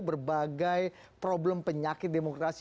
berbagai problem penyakit demokrasi